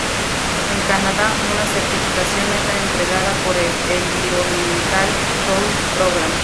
En Canadá, una certificación es la entregada por el Environmental Choice Program.